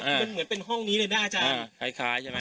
คือมันเหมือนเป็นห้องนี้เลยนะอาจารย์อ่าคล้ายคล้ายใช่ไหม